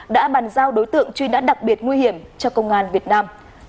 đã bàn giao đối tượng truy nã đặc biệt nguy hiểm cho công an việt nam